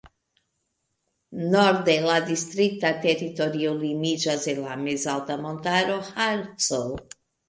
Norde la distrikta teritorio limiĝas de la mezalta montaro Harco.